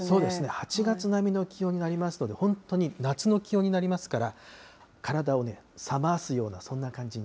８月並みの気温になりますので、本当に夏の気温になりますから、体をさまーすようなそんな感じに。